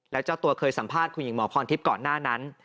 แล้วเจ้าตัวเคยสัมภาษณ์คุณหญิงหมอพรทิพย์ก่อนหน้านั้น